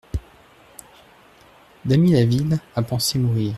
Damilaville a pensé mourir.